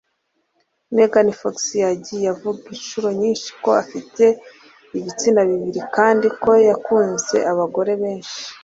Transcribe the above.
Megan Fox yagiye avuga inshuro nyinshi ko afite ibitsina bibiri, kandi ko yakunze abagore benshi.